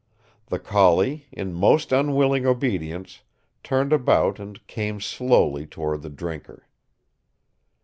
The collie, in most unwilling obedience, turned about and came slowly toward the drinker.